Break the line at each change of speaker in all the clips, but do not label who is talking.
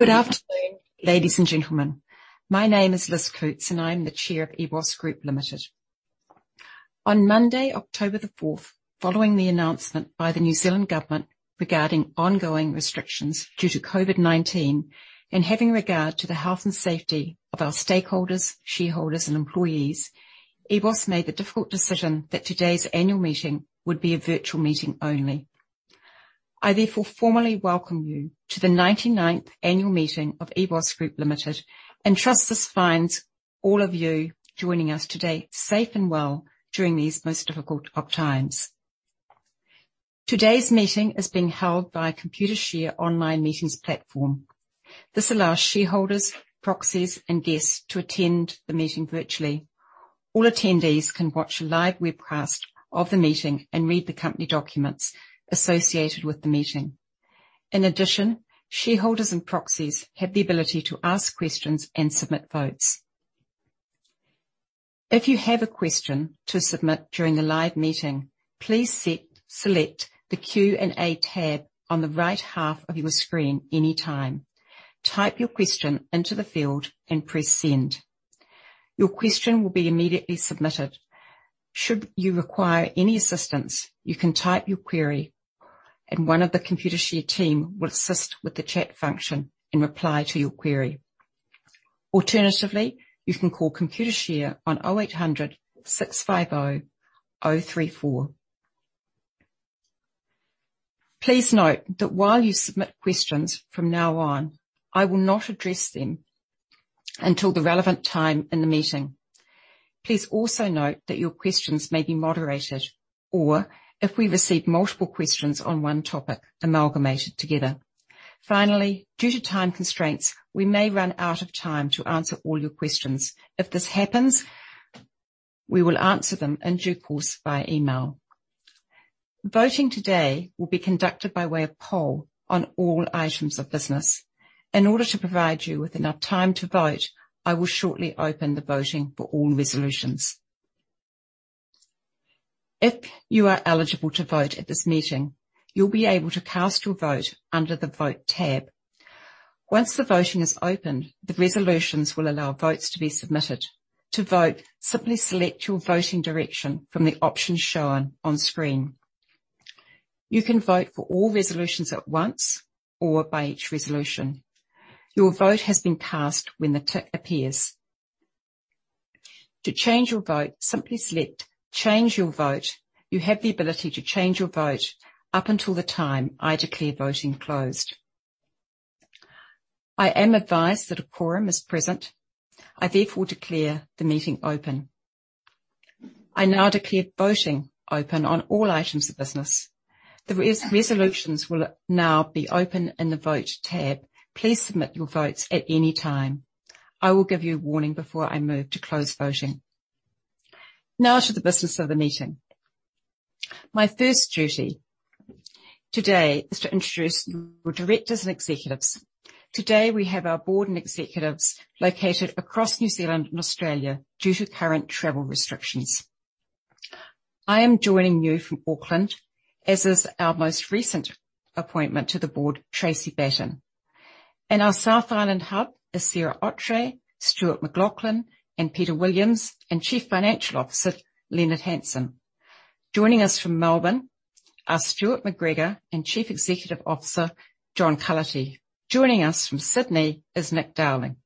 Good afternoon, ladies and gentlemen. My name is Liz Coutts, and I'm the chair of EBOS Group Limited. On Monday, October the 4th, following the announcement by the New Zealand Government regarding ongoing restrictions due to COVID-19, and having regard to the health and safety of our stakeholders, shareholders, and employees, EBOS made the difficult decision that today's annual meeting would be a virtual meeting only. I therefore formally welcome you to the 99th annual meeting of EBOS Group Limited, and trust this finds all of you joining us today safe and well during these most difficult of times. Today's meeting is being held by a Computershare online meetings platform. This allows shareholders, proxies, and guests to attend the meeting virtually. All attendees can watch a live webcast of the meeting and read the company documents associated with the meeting. In addition, shareholders and proxies have the ability to ask questions and submit votes. If you have a question to submit during the live meeting, please select the Q&A tab on the right half of your screen any time. Type your question into the field and press send. Your question will be immediately submitted. Should you require any assistance, you can type your query and one of the Computershare team will assist with the chat function and reply to your query. Alternatively, you can call Computershare on 0800 650 034. Please note that while you submit questions from now on, I will not address them until the relevant time in the meeting. Please also note that your questions may be moderated or, if we receive multiple questions on one topic, amalgamated together. Due to time constraints, we may run out of time to answer all your questions. If this happens, we will answer them in due course by email. Voting today will be conducted by way of poll on all items of business. In order to provide you with enough time to vote, I will shortly open the voting for all resolutions. If you are eligible to vote at this meeting, you'll be able to cast your vote under the Vote tab. Once the voting is open, the resolutions will allow votes to be submitted. To vote, simply select your voting direction from the options shown on screen. You can vote for all resolutions at once or by each resolution. Your vote has been cast when the tick appears. To change your vote, simply select Change Your Vote. You have the ability to change your vote up until the time I declare voting closed. I am advised that a quorum is present. I therefore declare the meeting open. I now declare voting open on all items of business. The resolutions will now be open in the Vote tab. Please submit your votes at any time. I will give you a warning before I move to close voting. Now to the business of the meeting. My first duty today is to introduce your directors and executives. Today, we have our board and executives located across New Zealand and Australia due to current travel restrictions. I am joining you from Auckland, as is our most recent appointment to the board, Tracey Batten. In our South Island hub is Sarah Ottrey, Stuart McLauchlan, and Peter Williams, and Chief Financial Officer Leonard Hansen. Joining us from Melbourne are Stuart McGregor and Chief Executive Officer John Cullity. Joining us from Sydney is Nick Dowling.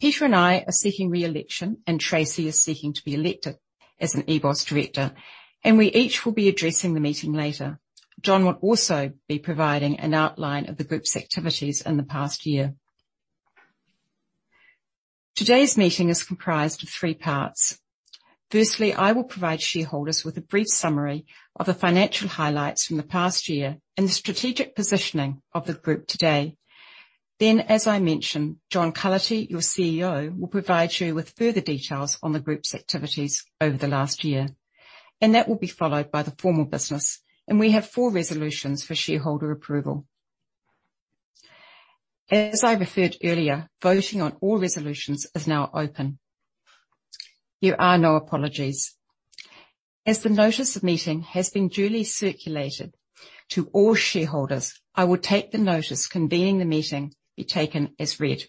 Peter and I are seeking re-election. Tracey is seeking to be elected as an EBOS director. We each will be addressing the meeting later. John will also be providing an outline of the group's activities in the past year. Today's meeting is comprised of three parts. Firstly, I will provide shareholders with a brief summary of the financial highlights from the past year and the strategic positioning of the group today. As I mentioned, John Cullity, your CEO, will provide you with further details on the group's activities over the last year. That will be followed by the formal business. We have four resolutions for shareholder approval. As I referred earlier, voting on all resolutions is now open. There are no apologies. As the notice of meeting has been duly circulated to all shareholders, I will take the notice convening the meeting be taken as read.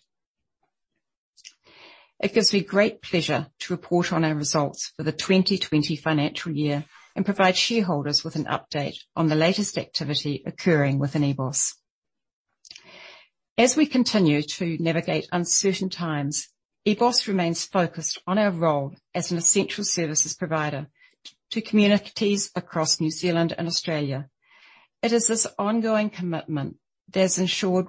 It gives me great pleasure to report on our results for the 2020 financial year and provide shareholders with an update on the latest activity occurring within EBOS. As we continue to navigate uncertain times, EBOS remains focused on our role as an essential services provider to communities across New Zealand and Australia. It is this ongoing commitment that has ensured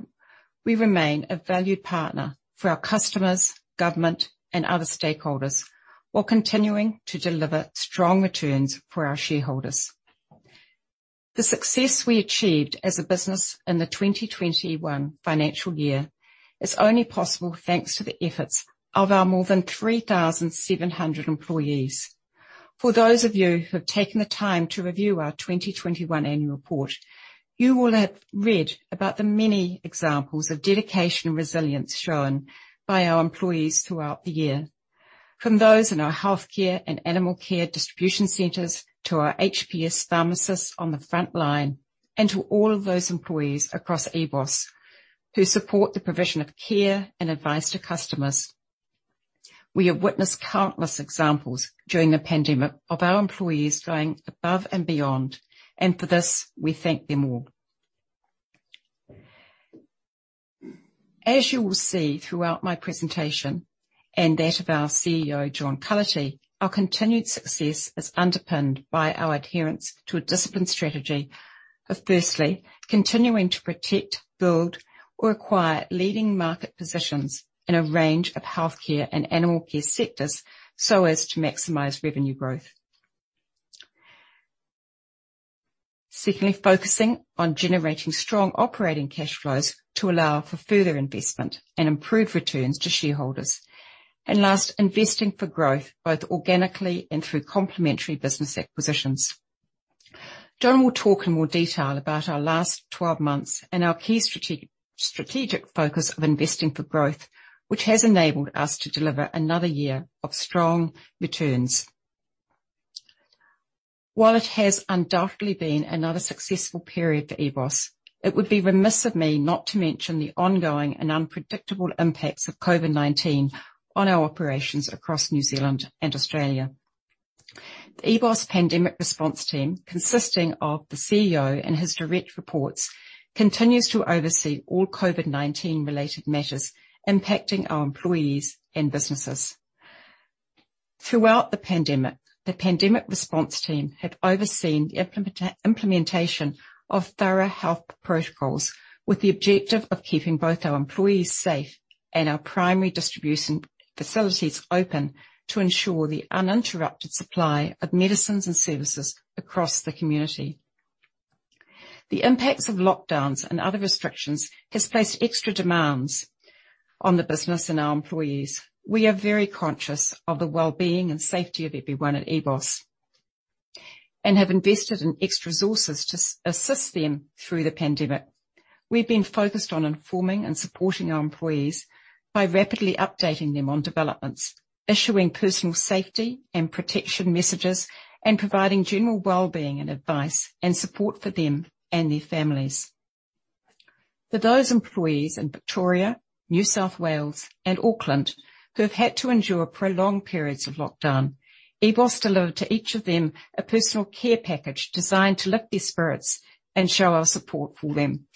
we remain a valued partner for our customers, government, and other stakeholders while continuing to deliver strong returns for our shareholders. The success we achieved as a business in the 2021 financial year is only possible thanks to the efforts of our more than 3,700 employees. For those of you who have taken the time to review our 2021 annual report, you will have read about the many examples of dedication and resilience shown by our employees throughout the year. From those in our healthcare and animal care distribution centers, to our HPS pharmacists on the front line, and to all of those employees across EBOS who support the provision of care and advice to customers. We have witnessed countless examples during the pandemic of our employees going above and beyond, and for this, we thank them all. As you will see throughout my presentation and that of our CEO, John Cullity, our continued success is underpinned by our adherence to a disciplined strategy of, firstly, continuing to protect, build or acquire leading market positions in a range of healthcare and animal care sectors, so as to maximize revenue growth. Secondly, focusing on generating strong operating cash flows to allow for further investment and improved returns to shareholders. Last, investing for growth, both organically and through complementary business acquisitions. John will talk in more detail about our last 12 months and our key strategic focus of investing for growth, which has enabled us to deliver another year of strong returns. While it has undoubtedly been another successful period for EBOS, it would be remiss of me not to mention the ongoing and unpredictable impacts of COVID-19 on our operations across New Zealand and Australia. The EBOS Pandemic Response Team, consisting of the CEO and his direct reports, continues to oversee all COVID-19 related matters impacting our employees and businesses. Throughout the pandemic, the Pandemic Response Team have overseen the implementation of thorough health protocols, with the objective of keeping both our employees safe and our primary distribution facilities open, to ensure the uninterrupted supply of medicines and services across the community. The impacts of lockdowns and other restrictions has placed extra demands on the business and our employees. We are very conscious of the wellbeing and safety of everyone at EBOS, and have invested in extra resources to assist them through the pandemic. We've been focused on informing and supporting our employees by rapidly updating them on developments, issuing personal safety and protection messages, and providing general wellbeing and advice and support for them and their families. For those employees in Victoria, New South Wales, and Auckland who have had to endure prolonged periods of lockdown, EBOS delivered to each of them a personal care package designed to lift their spirits and show our support for them.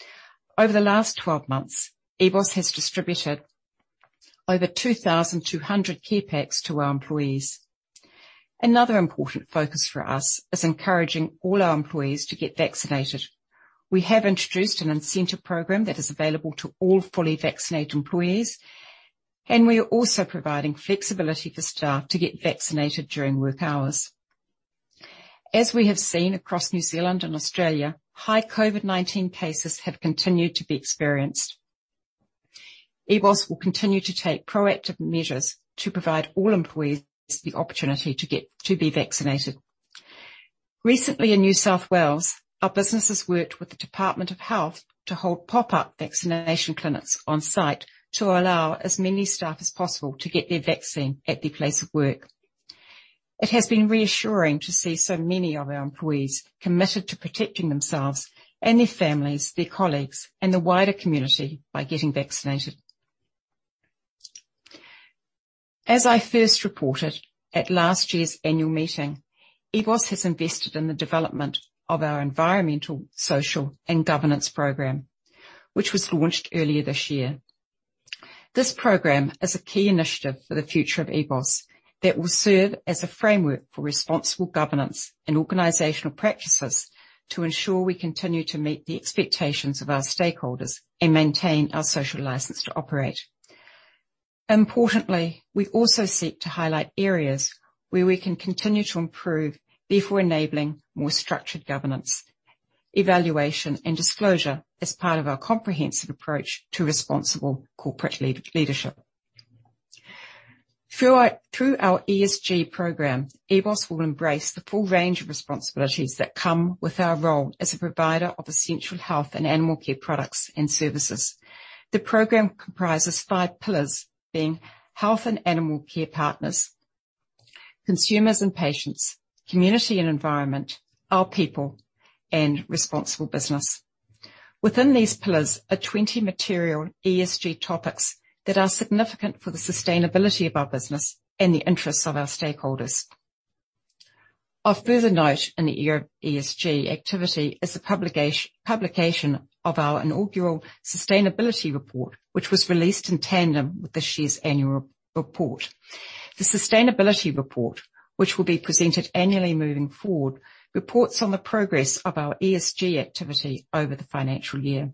Over the last 12 months, EBOS has distributed over 2,200 care packs to our employees. Another important focus for us is encouraging all our employees to get vaccinated. We have introduced an incentive program that is available to all fully vaccinated employees, and we are also providing flexibility for staff to get vaccinated during work hours. As we have seen across New Zealand and Australia, high COVID-19 cases have continued to be experienced. EBOS will continue to take proactive measures to provide all employees the opportunity to be vaccinated. Recently in New South Wales, our businesses worked with the Department of Health to hold pop-up vaccination clinics on site to allow as many staff as possible to get their vaccine at their place of work. It has been reassuring to see so many of our employees committed to protecting themselves and their families, their colleagues, and the wider community by getting vaccinated. As I first reported at last year's annual meeting, EBOS has invested in the development of our environmental, social and governance program, which was launched earlier this year. This program is a key initiative for the future of EBOS that will serve as a framework for responsible governance and organizational practices to ensure we continue to meet the expectations of our stakeholders and maintain our social license to operate. Importantly, we also seek to highlight areas where we can continue to improve, therefore enabling more structured governance, evaluation, and disclosure as part of our comprehensive approach to responsible corporate leadership. Through our ESG program, EBOS will embrace the full range of responsibilities that come with our role as a provider of essential health and animal care products and services. The program comprises five pillars being health and animal care partners, consumers and patients, community and environment, our people, and responsible business. Within these pillars are 20 material ESG topics that are significant for the sustainability of our business and the interests of our stakeholders. Of further note in the ESG activity is the publication of our inaugural sustainability report, which was released in tandem with this year's annual report. The sustainability report, which will be presented annually moving forward, reports on the progress of our ESG activity over the financial year.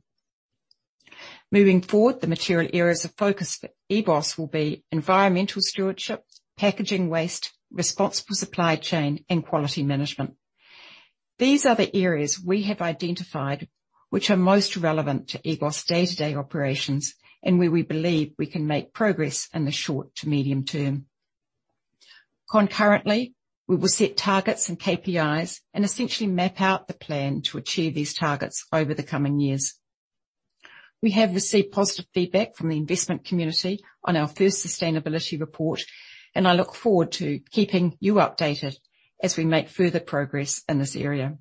Moving forward, the material areas of focus for EBOS will be environmental stewardship, packaging waste, responsible supply chain, and quality management. These are the areas we have identified which are most relevant to EBOS's day-to-day operations, and where we believe we can make progress in the short to medium term. Concurrently, we will set targets and KPIs and essentially map out the plan to achieve these targets over the coming years. We have received positive feedback from the investment community on our first sustainability report, and I look forward to keeping you updated as we make further progress in this area.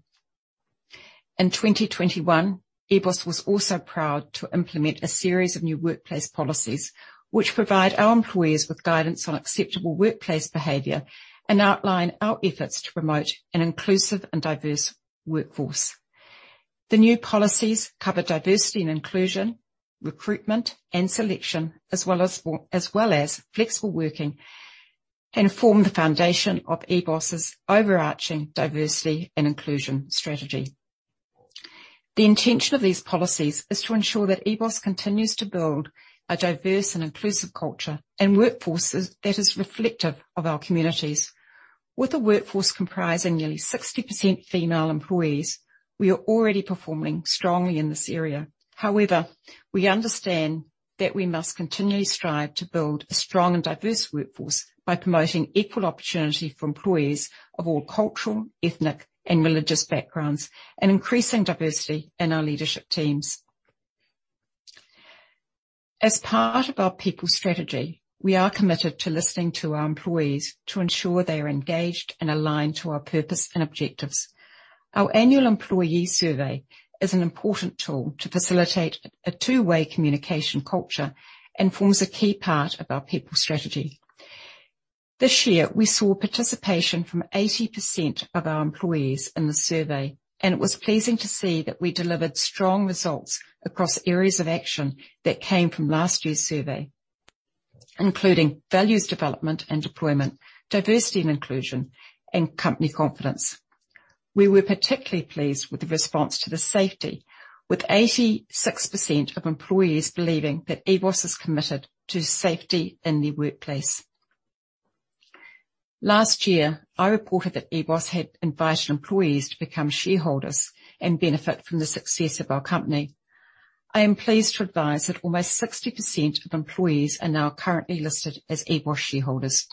In 2021, EBOS was also proud to implement a series of new workplace policies which provide our employees with guidance on acceptable workplace behavior and outline our efforts to promote an inclusive and diverse workforce. The new policies cover diversity and inclusion, recruitment and selection, as well as flexible working, and form the foundation of EBOS' overarching diversity and inclusion strategy. The intention of these policies is to ensure that EBOS continues to build a diverse and inclusive culture and workforce that is reflective of our communities. With a workforce comprising nearly 60% female employees, we are already performing strongly in this area. However, we understand that we must continually strive to build a strong and diverse workforce by promoting equal opportunity for employees of all cultural, ethnic, and religious backgrounds and increasing diversity in our leadership teams. As part of our people strategy, we are committed to listening to our employees to ensure they are engaged and aligned to our purpose and objectives. Our annual employee survey is an important tool to facilitate a two-way communication culture and forms a key part of our people strategy. This year, we saw participation from 80% of our employees in the survey, and it was pleasing to see that we delivered strong results across areas of action that came from last year's survey, including values development and deployment, diversity and inclusion, and company confidence. We were particularly pleased with the response to the safety, with 86% of employees believing that EBOS is committed to safety in their workplace. Last year, I reported that EBOS had invited employees to become shareholders and benefit from the success of our company. I am pleased to advise that almost 60% of employees are now currently listed as EBOS shareholders.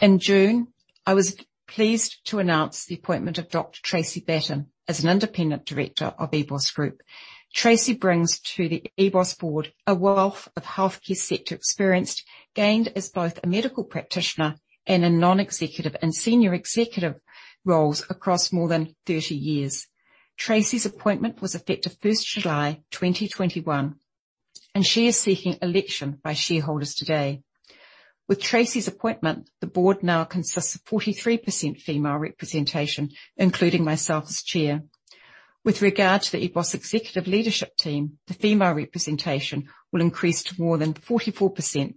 In June, I was pleased to announce the appointment of Dr. Tracey Batten as an Independent Director of EBOS Group. Tracey brings to the EBOS board a wealth of healthcare sector experience gained as both a medical practitioner and in non-executive and senior executive roles across more than 30 years. Tracey's appointment was effective July 1, 2021, and she is seeking election by shareholders today. With Tracey's appointment, the board now consists of 43% female representation, including myself as chair. With regard to the EBOS executive leadership team, the female representation will increase to more than 44%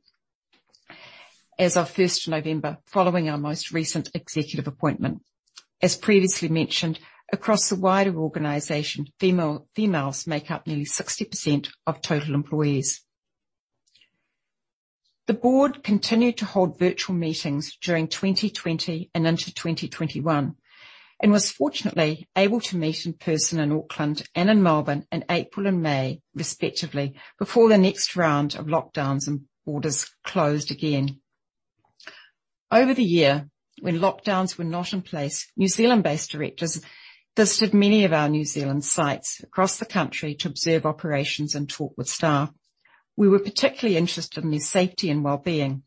as of November 1, following our most recent executive appointment. As previously mentioned, across the wider organization, females make up nearly 60% of total employees. The board continued to hold virtual meetings during 2020 and into 2021 and was fortunately able to meet in person in Auckland and in Melbourne in April and May respectively before the next round of lockdowns and borders closed again. Over the year, when lockdowns were not in place, New Zealand-based directors visited many of our New Zealand sites across the country to observe operations and talk with staff. We were particularly interested in their safety and wellbeing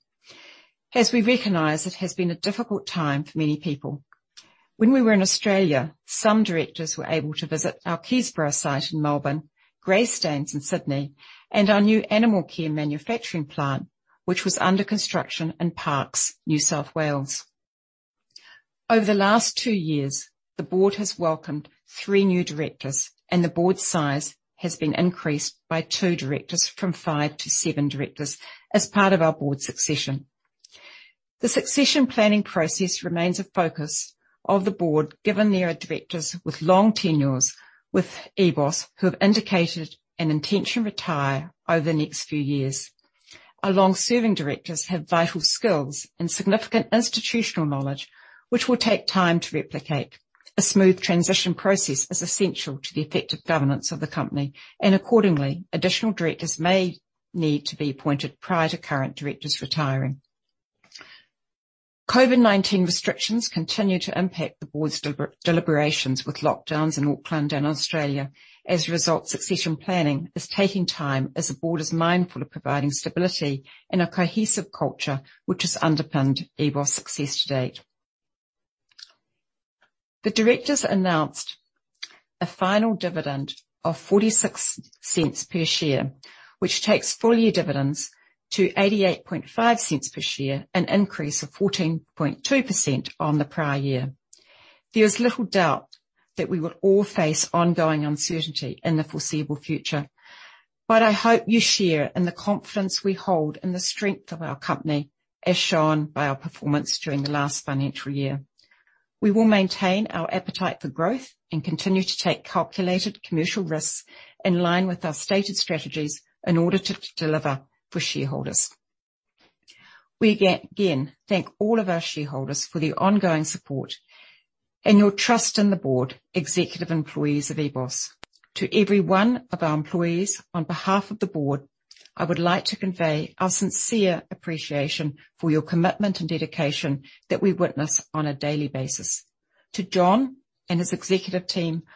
as we recognize it has been a difficult time for many people. When we were in Australia, some directors were able to visit our Keysborough site in Melbourne, Greystanes in Sydney, and our new animal care manufacturing plant, which was under construction in Parkes, New South Wales. Over the last 2 years, the board has welcomed 3 new directors, and the board size has been increased by 2 directors from 5 to 7 directors as part of our board succession. The succession planning process remains a focus of the board, given there are directors with long tenures with EBOS who have indicated an intention to retire over the next few years. Our long-serving directors have vital skills and significant institutional knowledge which will take time to replicate. A smooth transition process is essential to the effective governance of the company, and accordingly, additional directors may need to be appointed prior to current directors retiring. COVID-19 restrictions continue to impact the board's deliberations with lockdowns in Auckland and Australia. As a result, succession planning is taking time as the board is mindful of providing stability in a cohesive culture which has underpinned EBOS' success to date. The directors announced a final dividend of 0.46 per share, which takes full-year dividends to 0.885 per share, an increase of 14.2% on the prior year. There is little doubt that we will all face ongoing uncertainty in the foreseeable future. I hope you share in the confidence we hold in the strength of our company, as shown by our performance during the last financial year. We will maintain our appetite for growth and continue to take calculated commercial risks in line with our stated strategies in order to deliver for shareholders. We again thank all of our shareholders for their ongoing support and your trust in the board, executive employees of EBOS. To every one of our employees, on behalf of the board, I would like to convey our sincere appreciation for your commitment and dedication that we witness on a daily basis. To John and his executive team, I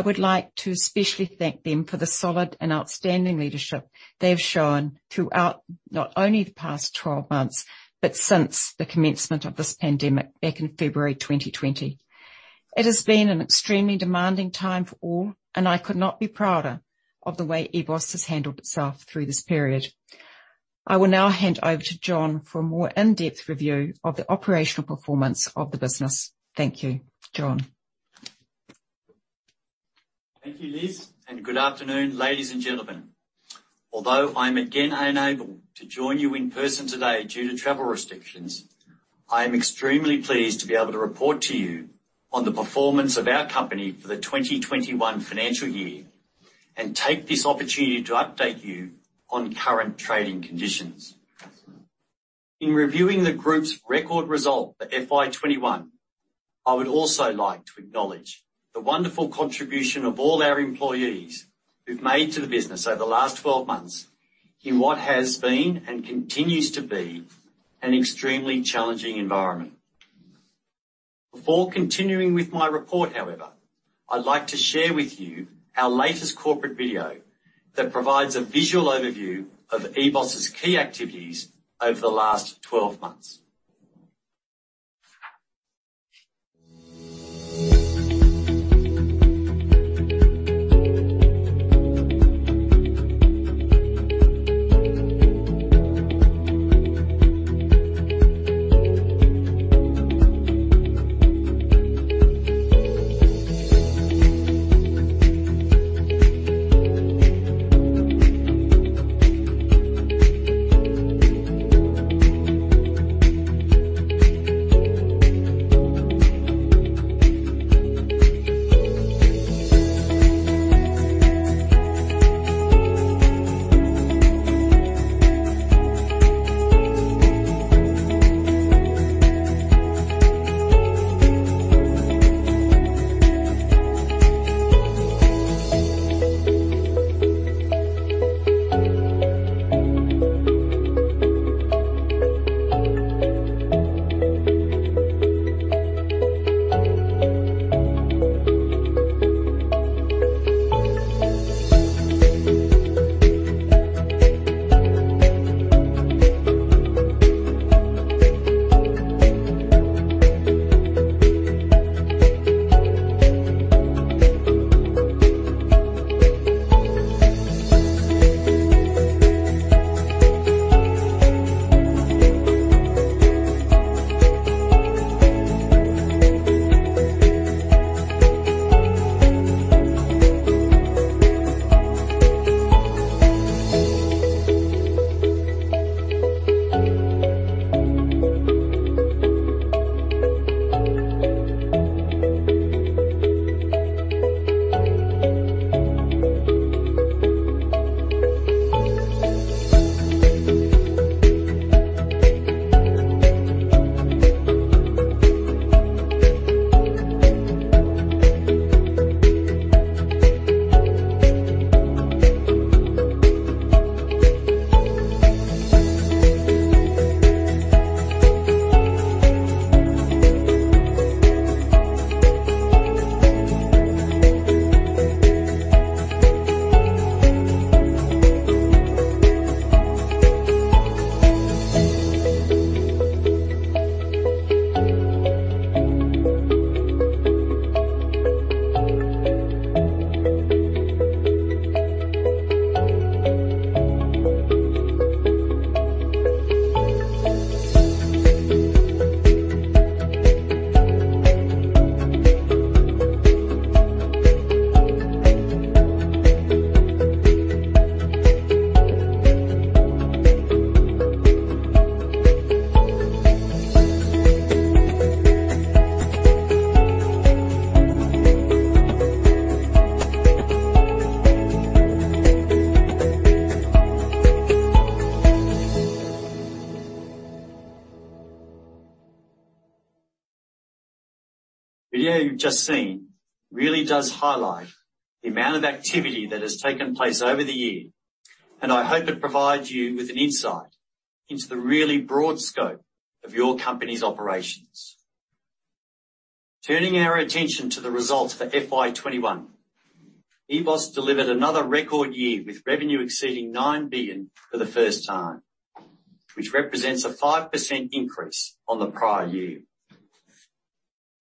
would like to especially thank them for the solid and outstanding leadership they have shown throughout, not only the past 12 months, but since the commencement of this pandemic back in February 2020. It has been an extremely demanding time for all, and I could not be prouder of the way EBOS has handled itself through this period. I will now hand over to John for a more in-depth review of the operational performance of the business. Thank you. John.
Thank you, Liz, and good afternoon, ladies and gentlemen. Although I'm again unable to join you in person today due to travel restrictions, I am extremely pleased to be able to report to you on the performance of our company for the 2021 financial year and take this opportunity to update you on current trading conditions. In reviewing the group's record result for FY 2021, I would also like to acknowledge the wonderful contribution of all our employees who've made to the business over the last 12 months in what has been, and continues to be, an extremely challenging environment. Before continuing with my report, however, I'd like to share with you our latest corporate video that provides a visual overview of EBOS' key activities over the last 12 months. The video you've just seen really does highlight the amount of activity that has taken place over the year, and I hope it provides you with an insight into the really broad scope of your company's operations. Turning our attention to the results for FY21, EBOS Group delivered another record year, with revenue exceeding 9 billion for the first time, which represents a 5% increase on the prior year.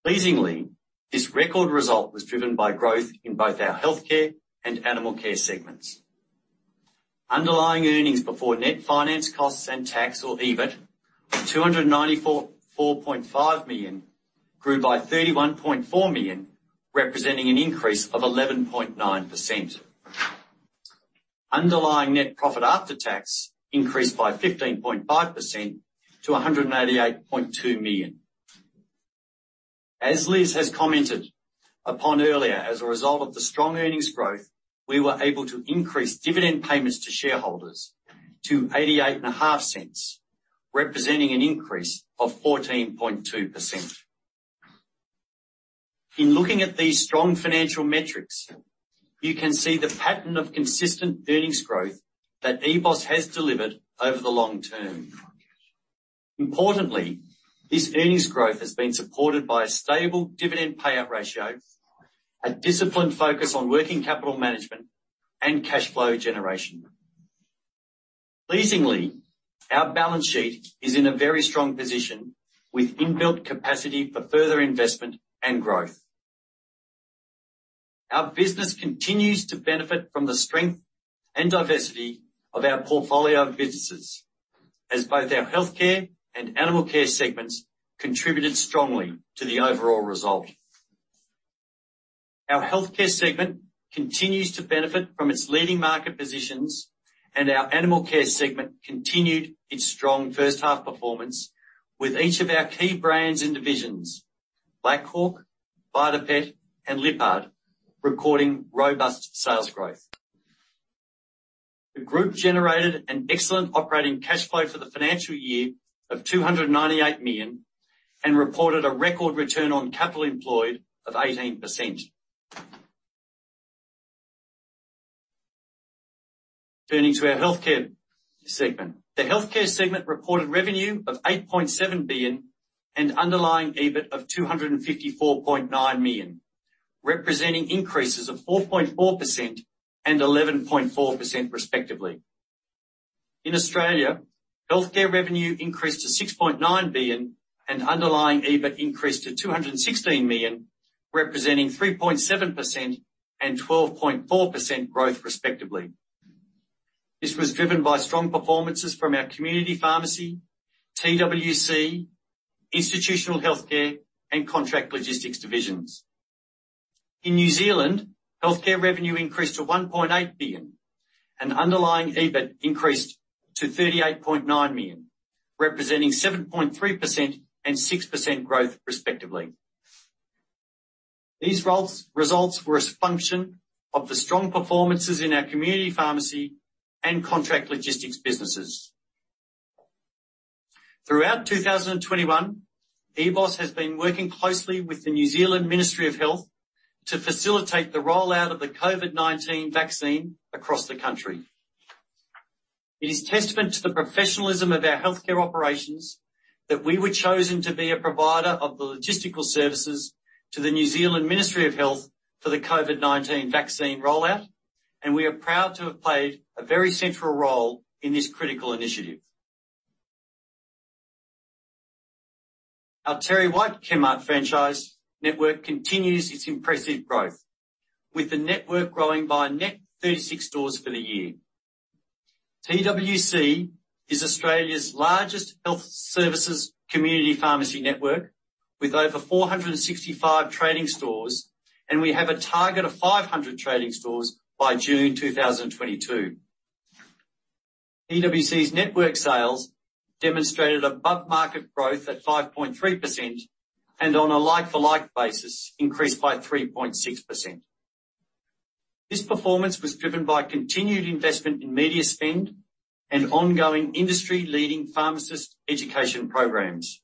Pleasingly, this record result was driven by growth in both our healthcare and animal care segments. Underlying earnings before net finance costs and tax, or EBIT, of 294.5 million grew by 31.4 million, representing an increase of 11.9%. Underlying net profit after tax increased by 15.5% to 188.2 million. As Liz has commented upon earlier, as a result of the strong earnings growth, we were able to increase dividend payments to shareholders to 0.8850, representing an increase of 14.2%. In looking at these strong financial metrics, you can see the pattern of consistent earnings growth that EBOS has delivered over the long term. Importantly, this earnings growth has been supported by a stable dividend payout ratio, a disciplined focus on working capital management, and cash flow generation. Pleasingly, our balance sheet is in a very strong position with inbuilt capacity for further investment and growth. Our business continues to benefit from the strength and diversity of our portfolio of businesses as both our healthcare and animal care segments contributed strongly to the overall result. Our healthcare segment continues to benefit from its leading market positions, and our animal care segment continued its strong first half performance with each of our key brands and divisions, Black Hawk, VitaPet, and Lyppard, recording robust sales growth. The group generated an excellent operating cash flow for the financial year of 298 million, and reported a record return on capital employed of 18%. Turning to our Healthcare segment. The Healthcare segment reported revenue of 8.7 billion and underlying EBIT of 254.9 million, representing increases of 4.4% and 11.4% respectively. In Australia, healthcare revenue increased to 6.9 billion and underlying EBIT increased to 216 million, representing 3.7% and 12.4% growth respectively. This was driven by strong performances from our community pharmacy, TWC, institutional healthcare, and contract logistics divisions. In New Zealand, health care revenue increased to 1.8 billion, and underlying EBIT increased to 38.9 million, representing 7.3% and 6% growth respectively. These results were a function of the strong performances in our community pharmacy and contract logistics businesses. Throughout 2021, EBOS has been working closely with the New Zealand Ministry of Health to facilitate the rollout of the COVID-19 vaccine across the country. It is testament to the professionalism of our healthcare operations that we were chosen to be a provider of the logistical services to the New Zealand Ministry of Health for the COVID-19 vaccine rollout, and we are proud to have played a very central role in this critical initiative. Our TerryWhite Chemmart franchise network continues its impressive growth, with the network growing by a net 36 stores for the year. TWC is Australia's largest health services community pharmacy network with over 465 trading stores. We have a target of 500 trading stores by June 2022. TWC's network sales demonstrated above-market growth at 5.3% and on a like-for-like basis increased by 3.6%. This performance was driven by continued investment in media spend and ongoing industry-leading pharmacist education programs.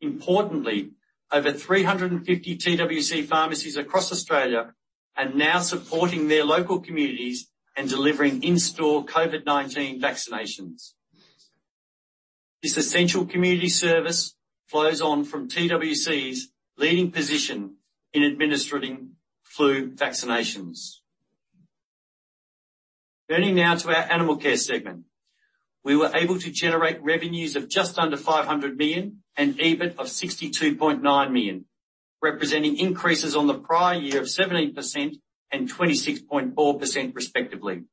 Importantly, over 350 TWC pharmacies across Australia are now supporting their local communities and delivering in-store COVID-19 vaccinations. This essential community service flows on from TWC's leading position in administering flu vaccinations. Turning now to our animal care segment. We were able to generate revenues of just under 500 million and EBIT of 62.9 million, representing increases on the prior year of 17% and 26.4% respectively.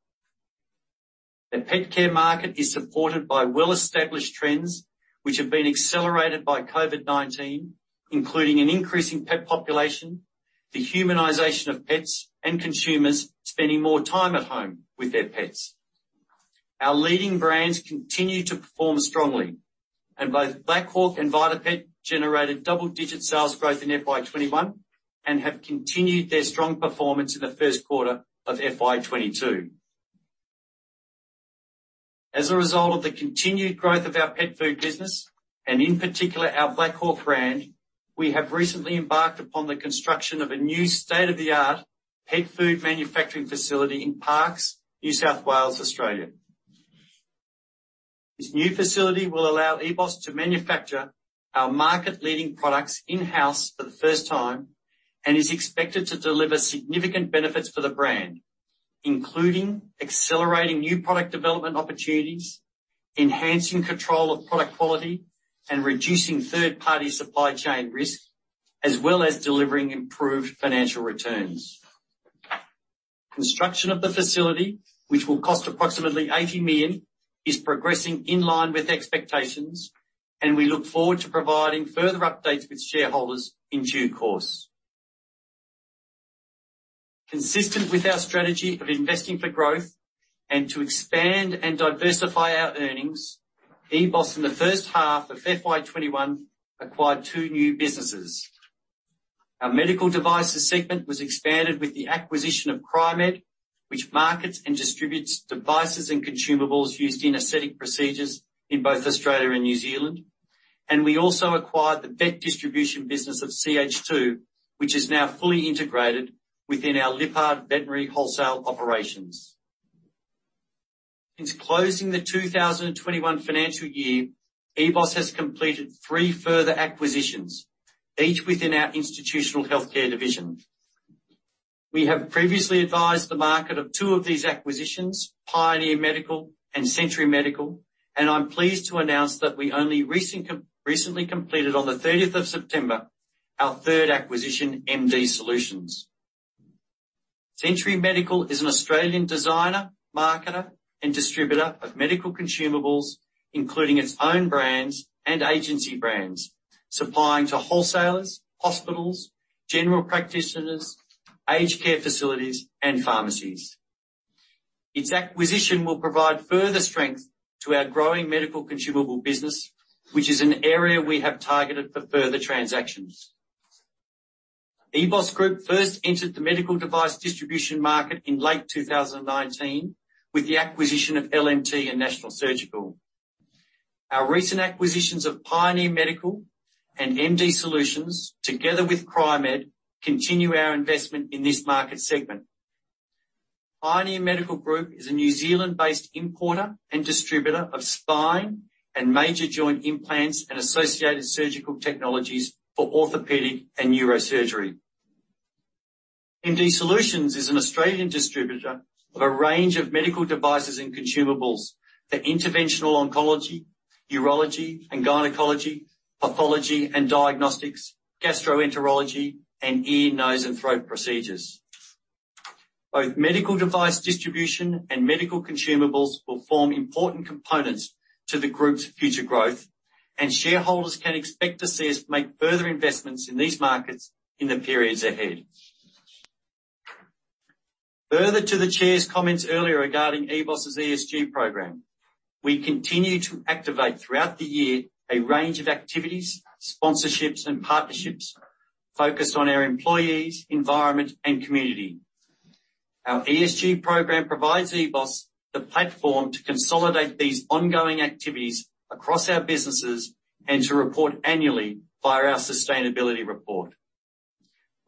The pet care market is supported by well-established trends, which have been accelerated by COVID-19, including an increase in pet population, the humanization of pets, and consumers spending more time at home with their pets. Our leading brands continue to perform strongly, and both Black Hawk and VitaPet generated double-digit sales growth in FY21 and have continued their strong performance in the first quarter of FY22. As a result of the continued growth of our pet food business, and in particular our Black Hawk brand, we have recently embarked upon the construction of a new state-of-the-art pet food manufacturing facility in Parkes, New South Wales, Australia. This new facility will allow EBOS to manufacture our market-leading products in-house for the first time and is expected to deliver significant benefits for the brand, including accelerating new product development opportunities, enhancing control of product quality, and reducing third-party supply chain risk, as well as delivering improved financial returns. Construction of the facility, which will cost approximately 80 million, is progressing in line with expectations, and we look forward to providing further updates with shareholders in due course. Consistent with our strategy of investing for growth and to expand and diversify our earnings, EBOS in the first half of FY21 acquired two new businesses. Our medical devices segment was expanded with the acquisition of Cryomed, which markets and distributes devices and consumables used in aesthetic procedures in both Australia and New Zealand. We also acquired the vet distribution business of CH2, which is now fully integrated within our Lyppard Veterinary wholesale operations. Since closing the 2021 financial year, EBOS has completed three further acquisitions, each within our Institutional Healthcare division. We have previously advised the market of two of these acquisitions, Pioneer Medical and Sentry Medical. I'm pleased to announce that we only recently completed on the 30th of September, our third acquisition, MD Solutions. Sentry Medical is an Australian designer, marketer, and distributor of medical consumables, including its own brands and agency brands, supplying to wholesalers, hospitals, general practitioners, aged care facilities, and pharmacies. Its acquisition will provide further strength to our growing medical consumable business, which is an area we have targeted for further transactions. EBOS Group first entered the medical device distribution market in late 2019 with the acquisition of LMT and National Surgical. Our recent acquisitions of Pioneer Medical and MD Solutions, together with Cryomed, continue our investment in this market segment. Pioneer Medical Group is a New Zealand-based importer and distributor of spine and major joint implants and associated surgical technologies for orthopedic and neurosurgery. MD Solutions is an Australian distributor of a range of medical devices and consumables for interventional oncology, urology and gynecology, pathology and diagnostics, gastroenterology, and ear, nose, and throat procedures. Both medical device distribution and medical consumables will form important components to the group's future growth, and shareholders can expect to see us make further investments in these markets in the periods ahead. Further to the chair's comments earlier regarding EBOS' ESG program, we continue to activate throughout the year a range of activities, sponsorships, and partnerships focused on our employees, environment, and community. Our ESG program provides EBOS the platform to consolidate these ongoing activities across our businesses and to report annually via our sustainability report.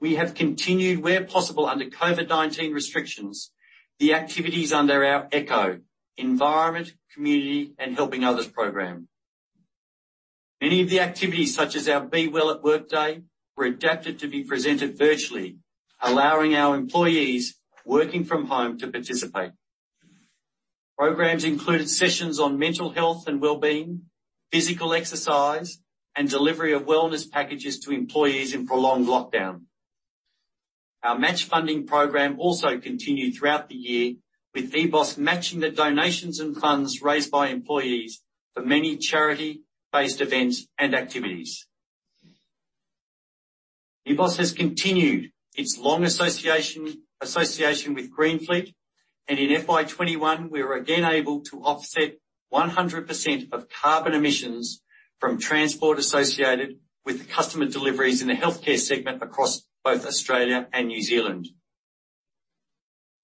We have continued, where possible under COVID-19 restrictions, the activities under our ECHO, Environment, Community, and Helping Others program. Many of the activities, such as our Be Well at Work Day, were adapted to be presented virtually, allowing our employees working from home to participate. Programs included sessions on mental health and wellbeing, physical exercise, and delivery of wellness packages to employees in prolonged lockdown. Our match funding program also continued throughout the year, with EBOS matching the donations and funds raised by employees for many charity-based events and activities. EBOS has continued its long association with Greenfleet. In FY 2021, we were again able to offset 100% of carbon emissions from transport associated with the customer deliveries in the healthcare segment across both Australia and New Zealand.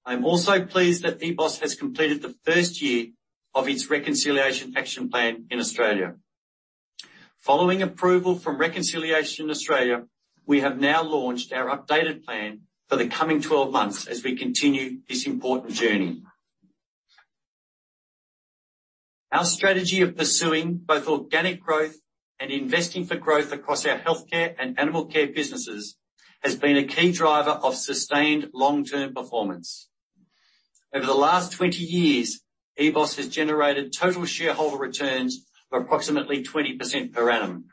I am also pleased that EBOS has completed the first year of its Reconciliation Action Plan in Australia. Following approval from Reconciliation Australia, we have now launched our updated plan for the coming 12 months as we continue this important journey. Our strategy of pursuing both organic growth and investing for growth across our healthcare and animal care businesses has been a key driver of sustained long-term performance. Over the last 20 years, EBOS has generated total shareholder returns of approximately 20% per annum.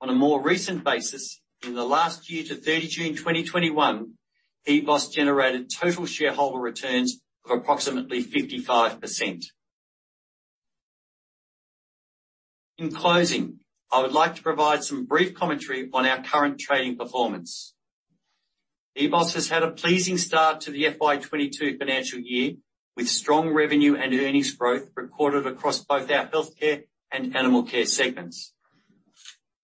On a more recent basis, in the last year to 30 June 2021, EBOS generated total shareholder returns of approximately 55%. In closing, I would like to provide some brief commentary on our current trading performance. EBOS has had a pleasing start to the FY 2022 financial year, with strong revenue and earnings growth recorded across both our healthcare and animal care segments.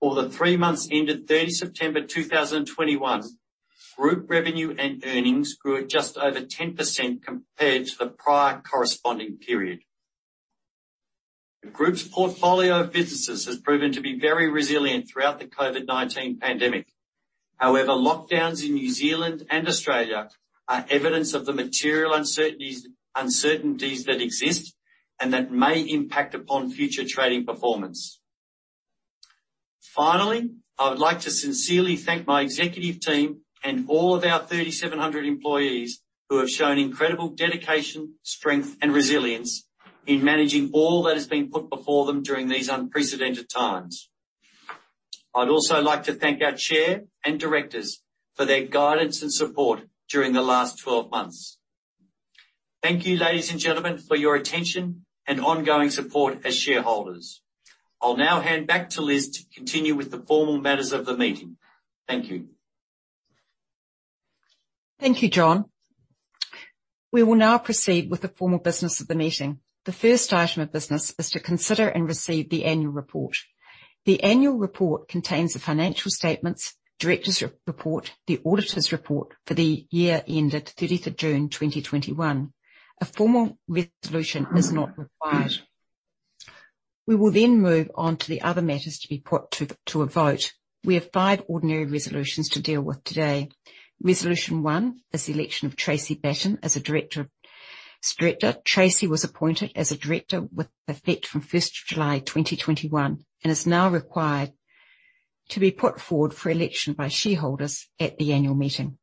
For the three months ended 30 September 2021, group revenue and earnings grew at just over 10% compared to the prior corresponding period. The group's portfolio of businesses has proven to be very resilient throughout the COVID-19 pandemic. However, lockdowns in New Zealand and Australia are evidence of the material uncertainties that exist and that may impact upon future trading performance. Finally, I would like to sincerely thank my executive team and all of our 3,700 employees who have shown incredible dedication, strength, and resilience in managing all that has been put before them during these unprecedented times. I'd also like to thank our chair and directors for their guidance and support during the last 12 months. Thank you, ladies and gentlemen, for your attention and ongoing support as shareholders. I'll now hand back to Liz to continue with the formal matters of the meeting. Thank you.
Thank you, John. We will now proceed with the formal business of the meeting. The first item of business is to consider and receive the annual report. The annual report contains the financial statements, directors' report, the auditors' report for the year ended 30th of June 2021. A formal resolution is not required. We will move on to the other matters to be put to a vote. We have five ordinary resolutions to deal with today. Resolution one is the election of Tracey Batten as a director. Tracey was appointed as a director with effect from 1st July 2021, and is now required to be put forward for election by shareholders at the annual meeting.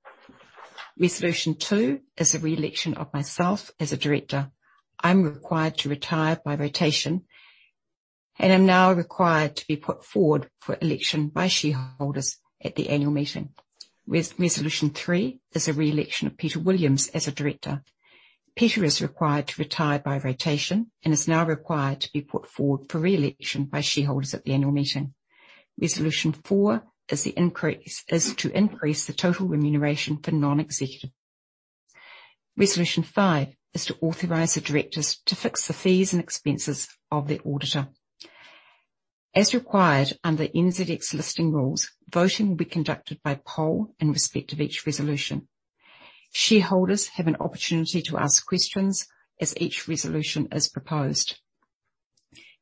Resolution two is the re-election of myself as a director. I'm required to retire by rotation, and I'm now required to be put forward for election by shareholders at the annual meeting. Resolution three is a re-election of Peter Williams as a director. Peter is required to retire by rotation and is now required to be put forward for re-election by shareholders at the annual meeting. Resolution four is to increase the total remuneration for non-executive. Resolution five is to authorize the directors to fix the fees and expenses of the auditor. As required under NZX Listing Rules, voting will be conducted by poll in respect of each resolution. Shareholders have an opportunity to ask questions as each resolution is proposed.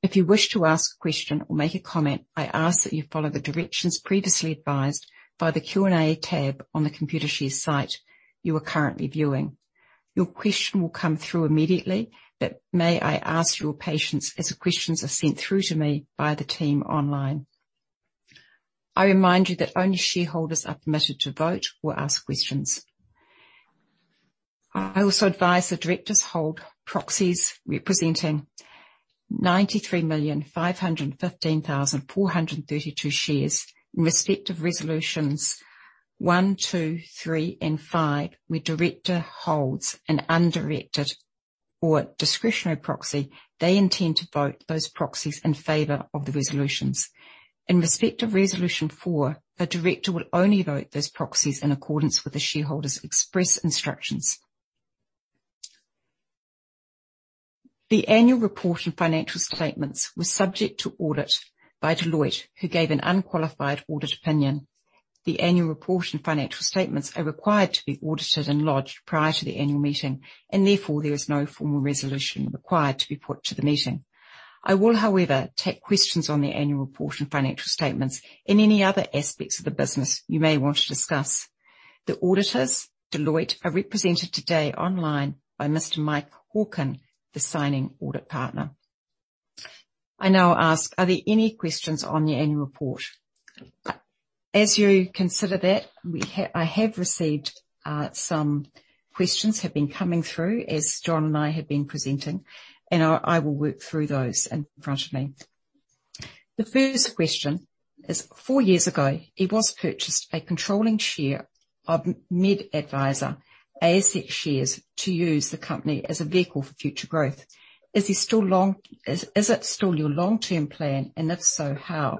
If you wish to ask a question or make a comment, I ask that you follow the directions previously advised by the Q&A tab on the Computershare site you are currently viewing. Your question will come through immediately, but may I ask your patience as the questions are sent through to me by the team online. I remind you that only shareholders are permitted to vote or ask questions. I also advise the directors hold proxies representing 93,515,432 shares. In respect of resolutions 1, 2, 3, and 5, where director holds an undirected or discretionary proxy, they intend to vote those proxies in favor of the resolutions. In respect of resolution 4, a director will only vote those proxies in accordance with the shareholder's express instructions. The annual report and financial statements were subject to audit by Deloitte, who gave an unqualified audit opinion. The annual report and financial statements are required to be audited and lodged prior to the annual meeting, therefore, there is no formal resolution required to be put to the meeting. I will, however, take questions on the annual report and financial statements and any other aspects of the business you may want to discuss. The auditors, Deloitte, are represented today online by Mr. Mike Hawken, the signing audit partner. I now ask, are there any questions on the annual report? As you consider that, I have received some questions have been coming through as John and I have been presenting, and I will work through those in front of me. The first question is, four years ago, it was purchased a controlling share of MedAdvisor asset shares to use the company as a vehicle for future growth. Is it still your long-term plan, and if so, how?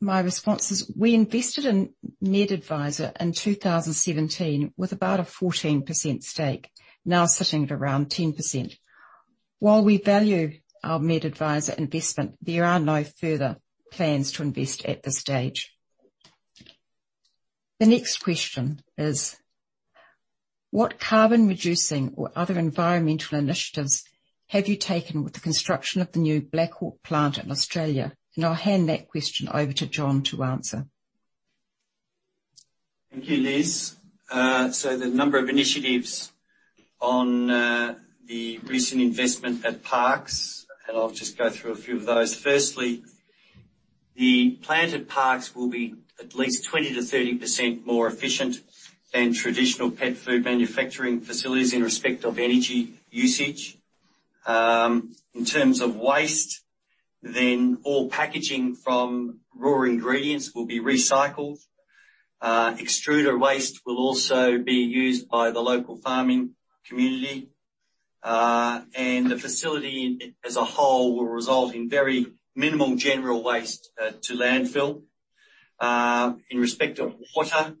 My response is, we invested in MedAdvisor in 2017 with about a 14% stake, now sitting at around 10%. While we value our MedAdvisor investment, there are no further plans to invest at this stage. The next question is, what carbon-reducing or other environmental initiatives have you taken with the construction of the new Black Hawk plant in Australia? I'll hand that question over to John to answer.
Thank you, Liz. The number of initiatives on the recent investment at Parkes, I'll just go through a few of those. Firstly, the plant at Parkes will be at least 20%-30% more efficient than traditional pet food manufacturing facilities in respect of energy usage. In terms of waste, all packaging from raw ingredients will be recycled. Extruder waste will also be used by the local farming community. The facility as a whole will result in very minimal general waste to landfill. In respect of water,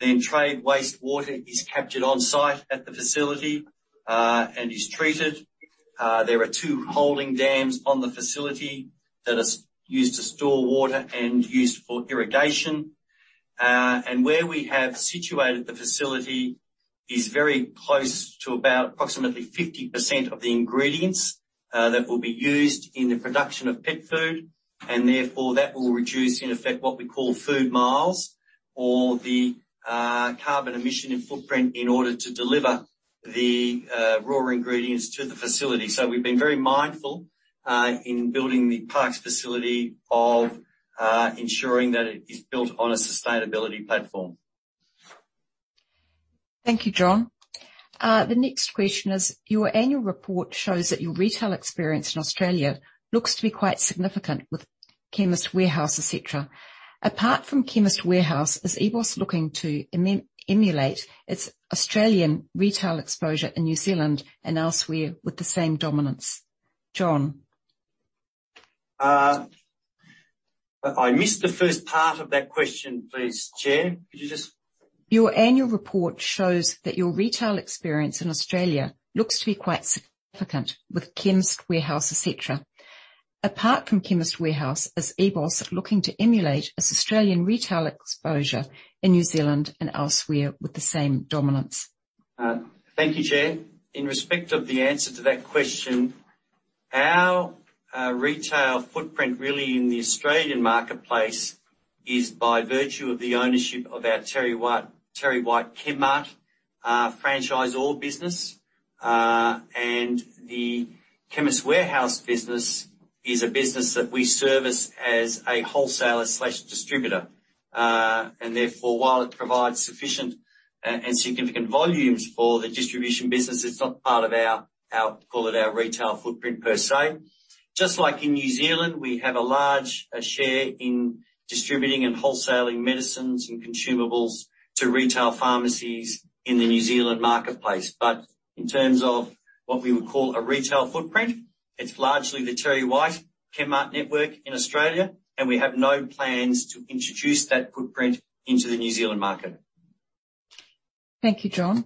trade waste water is captured on-site at the facility, and is treated. There are 2 holding dams on the facility that are used to store water and used for irrigation. Where we have situated the facility is very close to approximately 50% of the ingredients that will be used in the production of pet food, and therefore, that will reduce, in effect, what we call food miles or the carbon emission and footprint in order to deliver the raw ingredients to the facility. We've been very mindful, in building the Parkes facility of ensuring that it is built on a sustainability platform.
Thank you, John. The next question is: Your annual report shows that your retail experience in Australia looks to be quite significant with Chemist Warehouse, et cetera. Apart from Chemist Warehouse, is EBOS looking to emulate its Australian retail exposure in New Zealand and elsewhere with the same dominance? John.
I missed the first part of that question. Please, Chair, could you just.
Your annual report shows that your retail experience in Australia looks to be quite significant with Chemist Warehouse, et cetera. Apart from Chemist Warehouse, is EBOS looking to emulate its Australian retail exposure in New Zealand and elsewhere with the same dominance?
Thank you, Chair. In respect of the answer to that question, our retail footprint really in the Australian marketplace is by virtue of the ownership of our TerryWhite Chemmart franchise, all business. The Chemist Warehouse business is a business that we service as a wholesaler/distributor. Therefore, while it provides sufficient and significant volumes for the distribution business, it's not part of our, call it our retail footprint per se. Just like in New Zealand, we have a large share in distributing and wholesaling medicines and consumables to retail pharmacies in the New Zealand marketplace. In terms of what we would call a retail footprint, it's largely the TerryWhite Chemmart network in Australia, and we have no plans to introduce that footprint into the New Zealand market.
Thank you, John.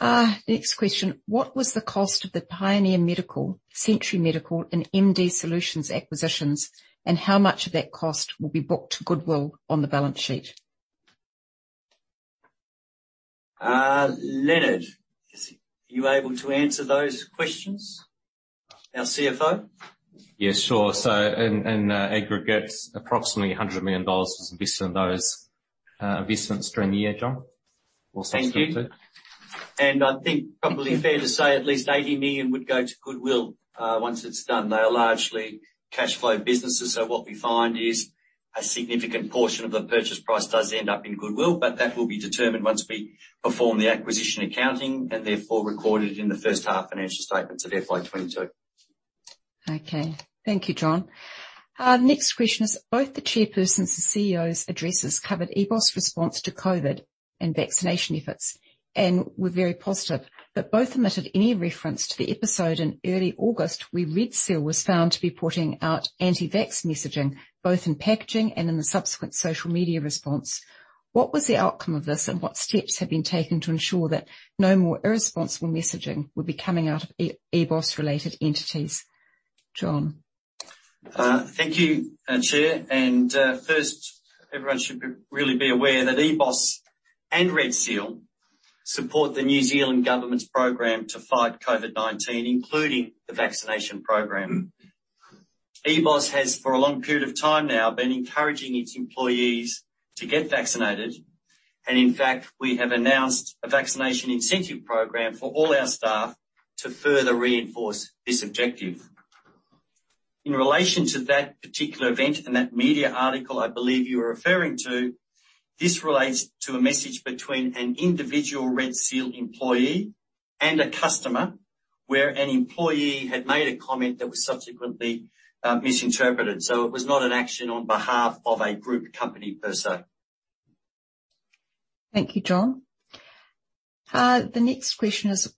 Next question. What was the cost of the Pioneer Medical, Sentry Medical, and MD Solutions acquisitions, and how much of that cost will be booked goodwill on the balance sheet?
Leonard, are you able to answer those questions? Our CFO.
Yes, sure. In aggregate, approximately 100 million dollars was invested in those investments during the year, John, or subsequent to.
Thank you. I think probably fair to say at least 80 million would go to goodwill once it's done. They are largely cash flow businesses, so what we find is a significant portion of the purchase price does end up in goodwill, but that will be determined once we perform the acquisition accounting and therefore recorded in the first half financial statements of FY 2022.
Okay. Thank you, John. Next question is, both the Chairperson's and CEO's addresses covered EBOS Group response to COVID-19 and vaccination efforts and were very positive. Both omitted any reference to the episode in early August where Red Seal was found to be putting out anti-vax messaging, both in packaging and in the subsequent social media response. What was the outcome of this, and what steps have been taken to ensure that no more irresponsible messaging would be coming out of EBOS Group-related entities? John.
Thank you, Chair. First, everyone should really be aware that EBOS Group and Red Seal support the New Zealand government's program to fight COVID-19, including the vaccination program. EBOS Group has, for a long period of time now, been encouraging its employees to get vaccinated. In fact, we have announced a vaccination incentive program for all our staff to further reinforce this objective. In relation to that particular event and that media article I believe you are referring to, this relates to a message between an individual Red Seal employee and a customer where an employee had made a comment that was subsequently misinterpreted. It was not an action on behalf of a group company per se.
Thank you, John. The next question is,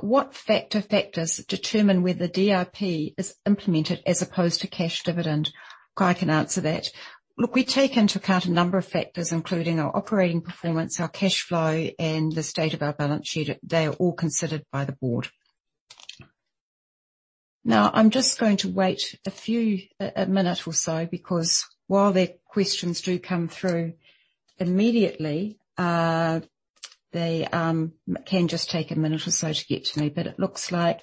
what factors determine whether DRP is implemented as opposed to cash dividend? I can answer that. Look, we take into account a number of factors, including our operating performance, our cash flow, and the state of our balance sheet. They are all considered by the board. I'm just going to wait a minute or so, because while the questions do come through immediately, they can just take a minute or so to get to me. It looks like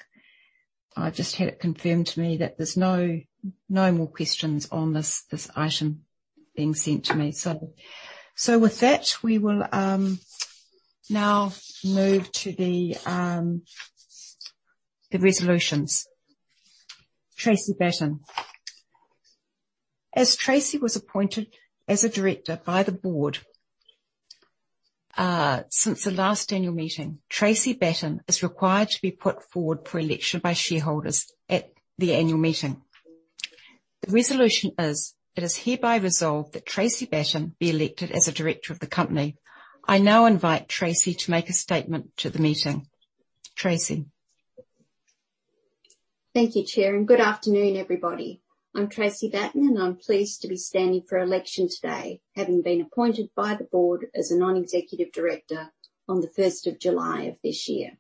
I've just had it confirmed to me that there's no more questions on this item being sent to me. With that, we will now move to the resolutions. Tracey Batten. As Tracy was appointed as a director by the board since the last annual meeting, Tracey Batten is required to be put forward for election by shareholders at the annual meeting. The resolution is, it is hereby resolved that Tracey Batten be elected as a director of the company. I now invite Tracey to make a statement to the meeting. Tracey.
Thank you, Chair. Good afternoon, everybody. I'm Tracey Batten, and I'm pleased to be standing for election today, having been appointed by the board as a non-executive director on the 1st of July of this year.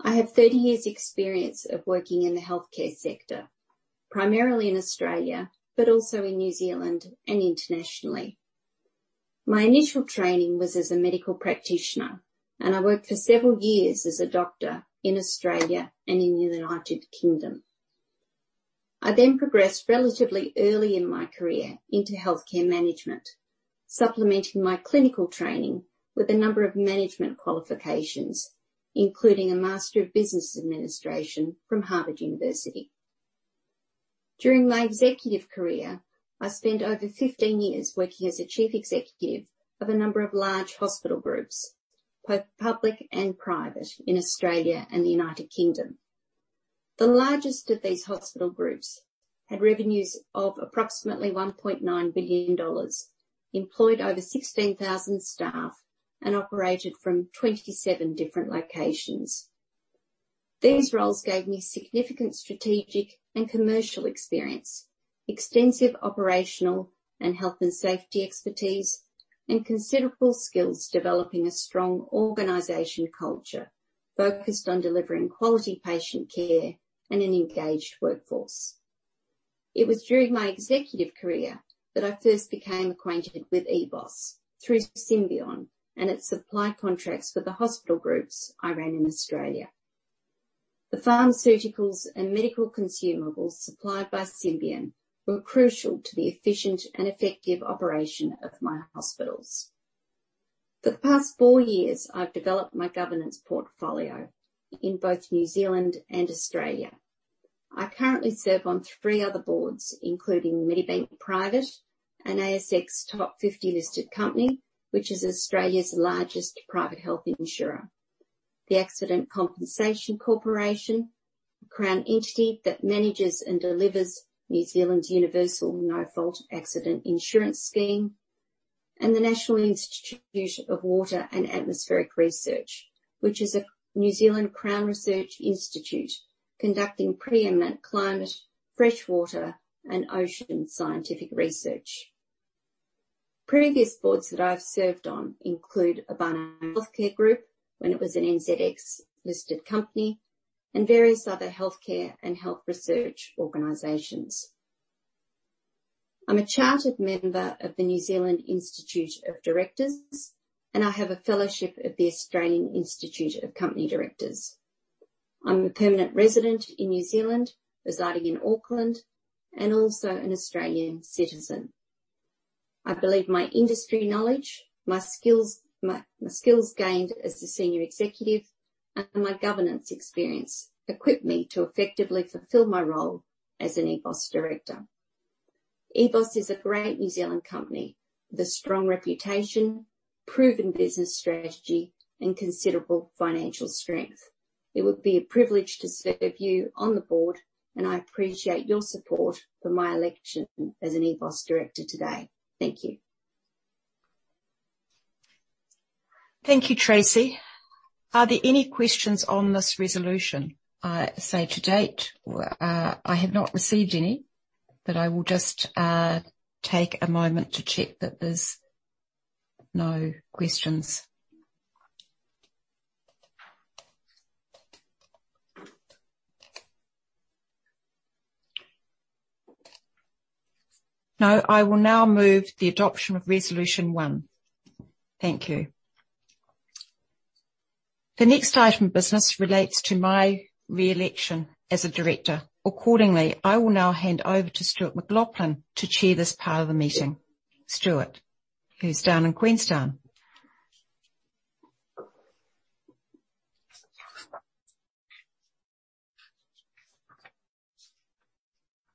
I have 30 years' experience of working in the healthcare sector, primarily in Australia, but also in New Zealand and internationally. My initial training was as a medical practitioner, and I worked for several years as a doctor in Australia and in the United Kingdom. I progressed relatively early in my career into healthcare management, supplementing my clinical training with a number of management qualifications, including a Master of Business Administration from Harvard University. During my executive career, I spent over 15 years working as a chief executive of a number of large hospital groups, both public and private, in Australia and the United Kingdom. The largest of these hospital groups had revenues of approximately 1.9 billion dollars, employed over 16,000 staff, and operated from 27 different locations. These roles gave me significant strategic and commercial experience, extensive operational and health and safety expertise, and considerable skills developing a strong organization culture focused on delivering quality patient care and an engaged workforce. It was during my executive career that I first became acquainted with EBOS through Symbion and its supply contracts for the hospital groups I ran in Australia. The pharmaceuticals and medical consumables supplied by Symbion were crucial to the efficient and effective operation of my hospitals. For the past 4 years, I've developed my governance portfolio in both New Zealand and Australia. I currently serve on 3 other boards, including Medibank Private, an ASX top 50 listed company, which is Australia's largest private health insurer. The Accident Compensation Corporation, a Crown entity that manages and delivers New Zealand's universal no-fault accident insurance scheme. The National Institute of Water and Atmospheric Research, which is a New Zealand Crown Research Institute conducting pre-eminent climate, freshwater, and ocean scientific research. Previous boards that I've served on include Acurity Health Group when it was an NZX-listed company, and various other healthcare and health research organizations. I'm a chartered member of the Institute of Directors in New Zealand, and I have a fellowship of the Australian Institute of Company Directors. I'm a permanent resident in New Zealand, residing in Auckland, and also an Australian citizen. I believe my industry knowledge, my skills gained as a senior executive, and my governance experience equip me to effectively fulfill my role as an EBOS director. EBOS is a great New Zealand company with a strong reputation, proven business strategy, and considerable financial strength. It would be a privilege to serve you on the board. I appreciate your support for my election as an EBOS director today. Thank you.
Thank you, Tracey. Are there any questions on this resolution? I say to date, I have not received any, but I will just take a moment to check that there's no questions. No. I will now move the adoption of resolution 1. Thank you. The next item of business relates to my re-election as a director. I will now hand over to Stuart McLauchlan to chair this part of the meeting. Stuart, who's down in Queenstown.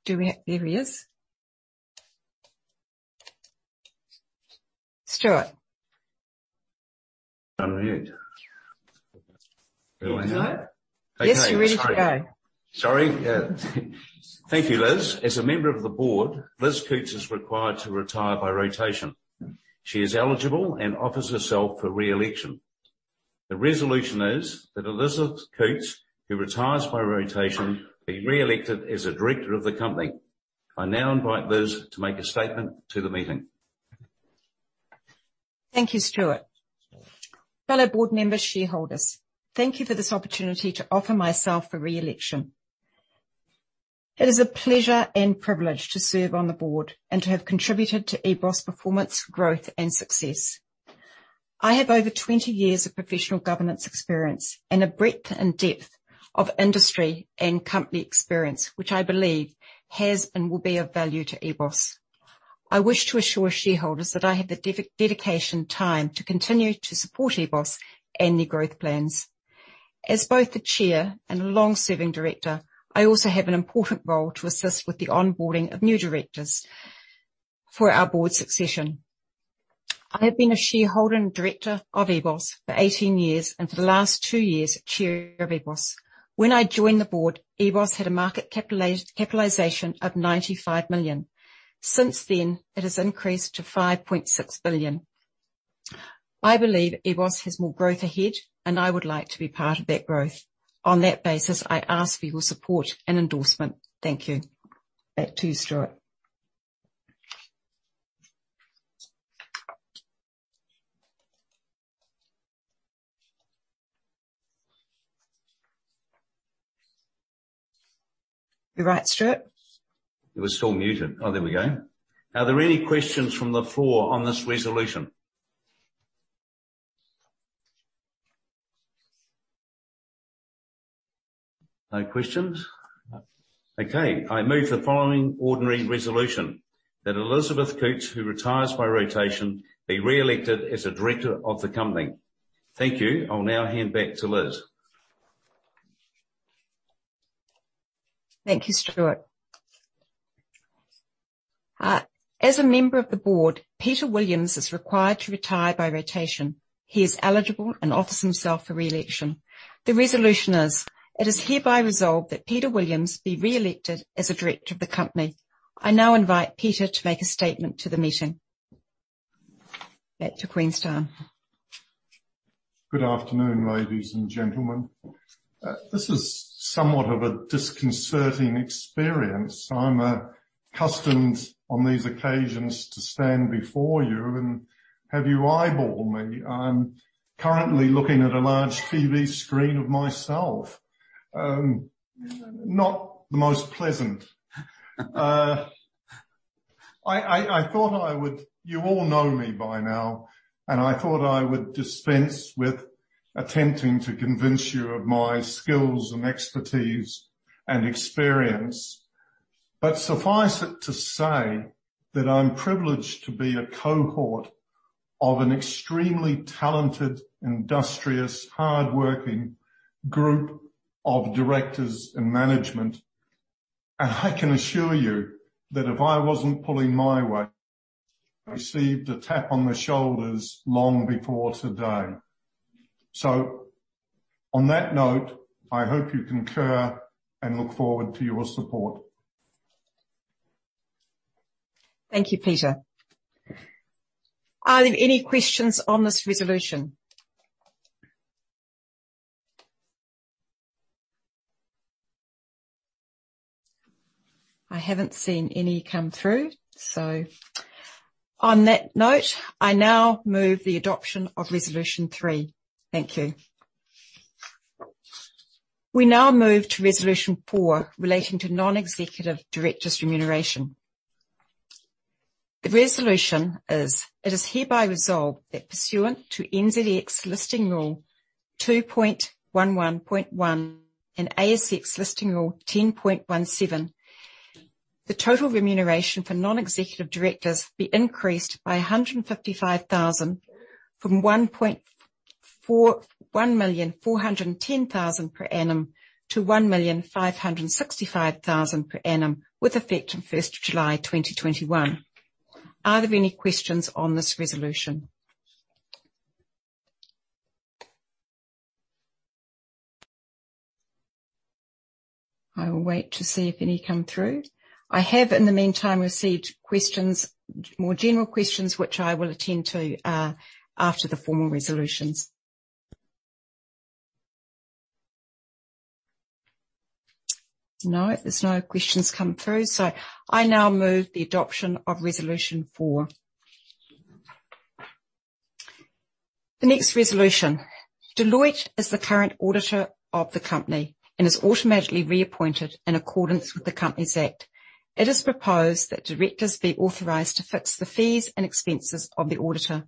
There he is. Stuart.
Unmute. There we are.
Yes, you're ready to go.
Sorry. Thank you, Liz. As a member of the board, Liz Coutts is required to retire by rotation. She is eligible and offers herself for re-election. The resolution is that Elizabeth Coutts, who retires by rotation, be re-elected as a director of the company. I now invite Liz to make a statement to the meeting.
Thank you, Stuart. Fellow board members, shareholders, thank you for this opportunity to offer myself for re-election. It is a pleasure and privilege to serve on the board and to have contributed to EBOS' performance, growth, and success. I have over 20 years of professional governance experience and a breadth and depth of industry and company experience, which I believe has and will be of value to EBOS. I wish to assure shareholders that I have the dedication and time to continue to support EBOS and their growth plans. As both the chair and a long-serving director, I also have an important role to assist with the onboarding of new directors for our board succession. I have been a shareholder and director of EBOS for 18 years, and for the last 2 years, chair of EBOS. When I joined the board, EBOS had a market capitalization of 95 million. Since then, it has increased to 5.6 billion. I believe EBOS has more growth ahead, and I would like to be part of that growth. On that basis, I ask for your support and endorsement. Thank you. Back to you, Stuart. You right, Stuart?
It was still muted. There we go. Are there any questions from the floor on this resolution? No questions. Okay. I move the following ordinary resolution: that Elizabeth Coutts, who retires by rotation, be re-elected as a director of the company. Thank you. I'll now hand back to Liz.
Thank you, Stuart. As a member of the board, Peter Williams is required to retire by rotation. He is eligible and offers himself for re-election. The resolution is: it is hereby resolved that Peter Williams be re-elected as a director of the company. I now invite Peter to make a statement to the meeting. Back to Queenstown.
Good afternoon, ladies and gentlemen. This is somewhat of a disconcerting experience. I'm accustomed on these occasions to stand before you and have you eyeball me. I'm currently looking at a large TV screen of myself. Not the most pleasant. You all know me by now. I thought I would dispense with attempting to convince you of my skills and expertise and experience. Suffice it to say that I'm privileged to be a cohort of an extremely talented, industrious, hardworking group of directors and management. I can assure you that if I wasn't pulling my weight, I received a tap on the shoulders long before today. On that note, I hope you concur and look forward to your support.
Thank you, Peter. Are there any questions on this resolution? I haven't seen any come through. On that note, I now move the adoption of resolution three. Thank you. We now move to resolution four, relating to non-executive directors' remuneration. The resolution is, it is hereby resolved that pursuant to NZX Listing Rule 2.11.1 and ASX Listing Rule 10.17, the total remuneration for non-executive directors be increased by 155,000 from 1,410,000 per annum to 1,565,000 per annum, with effect from 1st July 2021. Are there any questions on this resolution? I will wait to see if any come through. I have, in the meantime, received more general questions which I will attend to, after the formal resolutions. No, there's no questions come through, so I now move the adoption of resolution four. The next resolution. Deloitte is the current auditor of the company and is automatically reappointed in accordance with the Companies Act. It is proposed that directors be authorized to fix the fees and expenses of the auditor.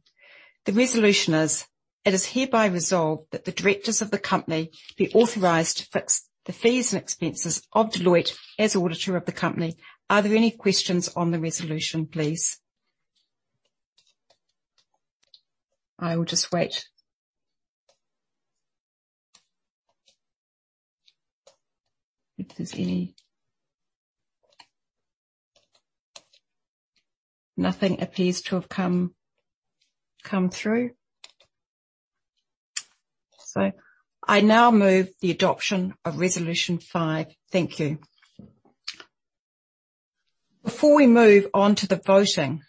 The resolution is, it is hereby resolved that the directors of the company be authorized to fix the fees and expenses of Deloitte as auditor of the company. Are there any questions on the resolution, please? I will just wait. Nothing appears to have come through. I now move the adoption of resolution 5. Thank you. Before we move on to the voting,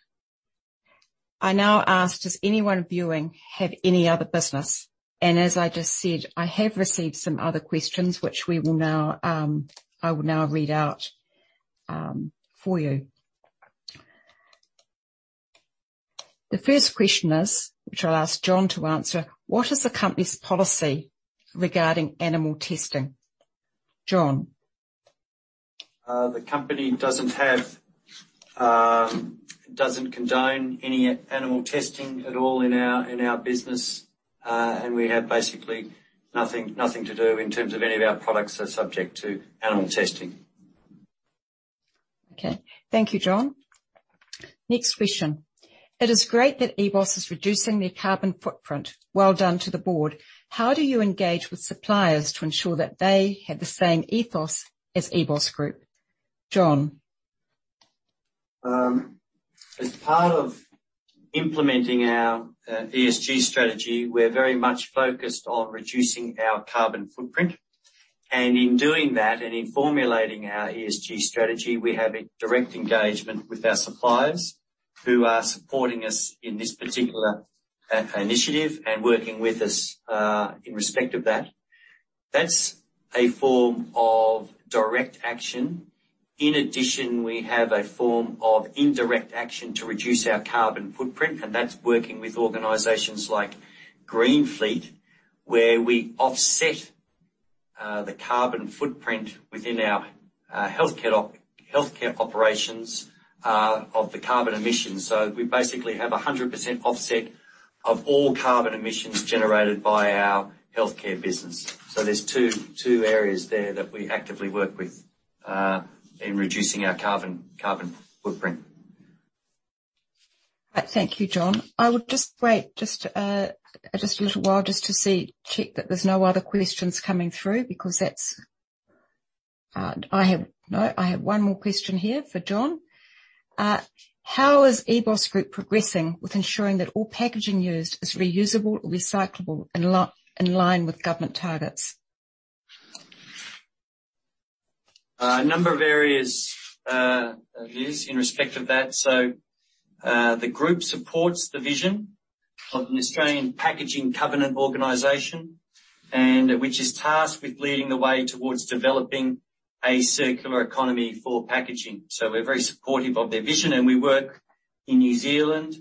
I now ask, does anyone viewing have any other business? As I just said, I have received some other questions which I will now read out for you. The first question is, which I'll ask John to answer: What is the company's policy regarding animal testing? John.
The company doesn't condone any animal testing at all in our business. We have basically nothing to do in terms of any of our products are subject to animal testing.
Okay. Thank you, John. Next question. It is great that EBOS is reducing their carbon footprint. Well done to the board. How do you engage with suppliers to ensure that they have the same ethos as EBOS Group? John.
As part of implementing our ESG strategy, we're very much focused on reducing our carbon footprint. In doing that, and in formulating our ESG strategy, we have a direct engagement with our suppliers who are supporting us in this particular initiative and working with us, in respect of that. That's a form of direct action. In addition, we have a form of indirect action to reduce our carbon footprint, and that's working with organizations like Greenfleet, where we offset the carbon footprint within our healthcare operations, of the carbon emissions. We basically have 100% offset of all carbon emissions generated by our healthcare business. There's two areas there that we actively work with, in reducing our carbon footprint.
Thank you, John. I would just wait just a little while just to check that there's no other questions coming through. No, I have one more question here for John. How is EBOS Group progressing with ensuring that all packaging used is reusable or recyclable in line with government targets?
A number of areas of use in respect of that. The group supports the vision of an Australian Packaging Covenant Organisation, which is tasked with leading the way towards developing a circular economy for packaging. We're very supportive of their vision, and we work in New Zealand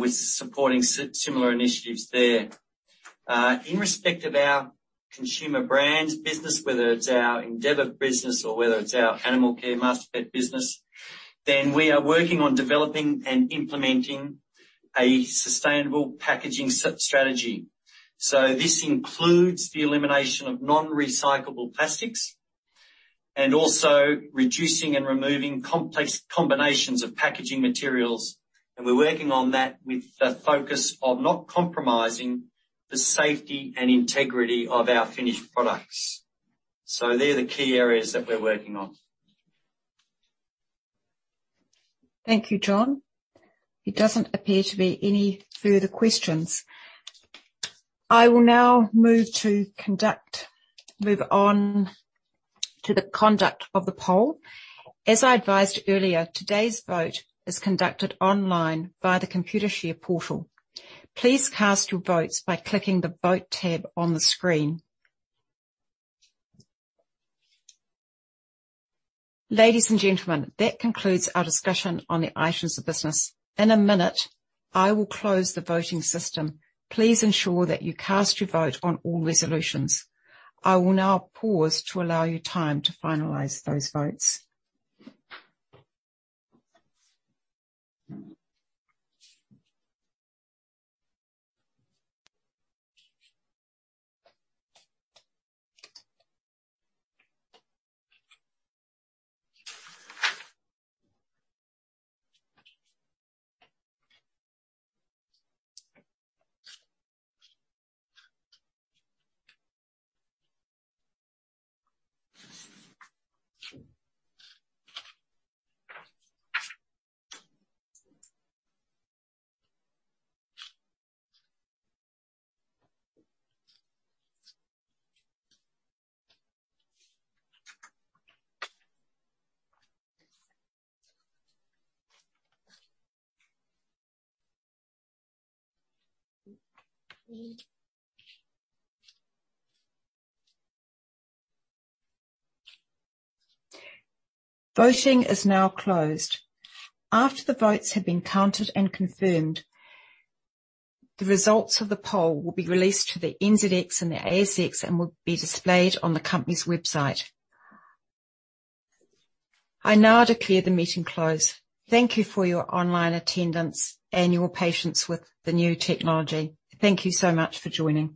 with supporting similar initiatives there. In respect of our consumer brands business, whether it's our Endeavour business or whether it's our animal care Masterpet business, we are working on developing and implementing a sustainable packaging strategy. This includes the elimination of non-recyclable plastics and also reducing and removing complex combinations of packaging materials. We're working on that with the focus of not compromising the safety and integrity of our finished products. They're the key areas that we're working on.
Thank you, John. It doesn't appear to be any further questions. I will now move on to the conduct of the poll. As I advised earlier, today's vote is conducted online via the Computershare portal. Please cast your votes by clicking the Vote tab on the screen. Ladies and gentlemen, that concludes our discussion on the items of business. In a minute, I will close the voting system. Please ensure that you cast your vote on all resolutions. I will now pause to allow you time to finalize those votes. Voting is now closed. After the votes have been counted and confirmed, the results of the poll will be released to the NZX and the ASX and will be displayed on the company's website. I now declare the meeting closed. Thank you for your online attendance and your patience with the new technology. Thank you so much for joining.